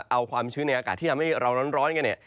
เอาความชื้นในอากาศที่ทำให้เราร้อนกันเนี่ย